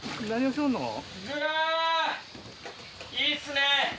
いいっすね。